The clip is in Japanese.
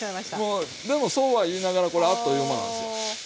もうでもそうは言いながらこれあっという間なんですよ。